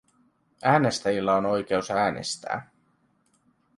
Äänestäjillä on oikeus äänestää.